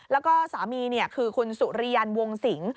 แล้วก็สามีคือคุณสุริยันวงสิง